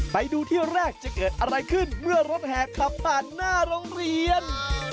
ไปดูที่แรกจะเกิดอะไรขึ้นเมื่อรถแห่ขับผ่านหน้าโรงเรียน